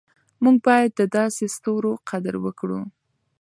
موږ باید د داسې ستورو قدر وکړو.